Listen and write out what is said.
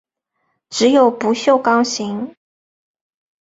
只有不锈钢型。